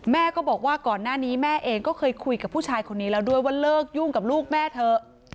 แม่ก็บอกว่าก่อนหน้านี้แม่เองก็เคยคุยกับผู้ชายคนนี้แล้วด้วยว่าเลิกยุ่งกับลูกแม่เถอะ